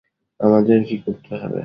আমাদের কি করতে হবে?